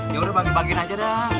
ya udah bagi bagiin aja dah